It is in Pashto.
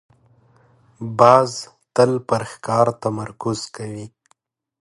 باز تل پر ښکار تمرکز کوي